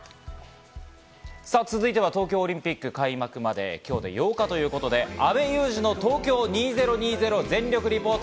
続いては東京オリンピック開幕まで今日で８日ということで、阿部祐二のＴＯＫＹＯ２０２０全力リポート。